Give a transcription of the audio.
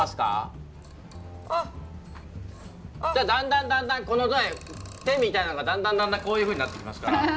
だんだんだんだんこの手みたいなのがだんだんだんだんこういうふうになってきますから。